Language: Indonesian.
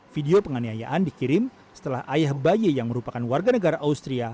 video penganiayaan dikirim setelah ayah bayi yang merupakan warga negara austria